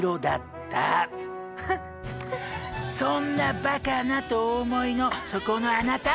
そんなバカな！とお思いのそこのあなた。